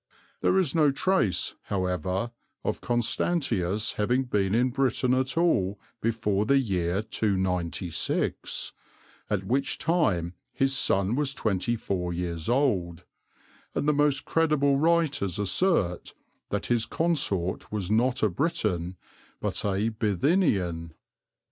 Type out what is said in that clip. There is no trace, however, of Constantius having been in Britain at all before the year 296, at which time his son was twenty four years old; and the most credible writers assert that his consort was not a Briton, but a Bithynian.